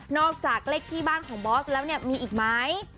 อกจากเลขที่บ้านของบอสแล้วเนี่ยมีอีกไหม